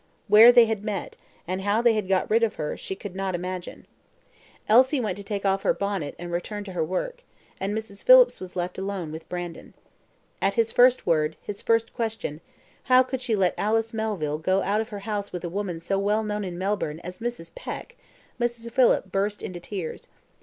Where they had met, and how they had got rid of her, she could not imagine. Elsie went to take off her bonnet and return to her work, and Mrs. Phillips was left alone with Brandon. At his first word, his first question, how could she let Alice Melville go out of her house with a woman so well known in Melbourne as Mrs. Peck, Mrs. Phillips burst into tears.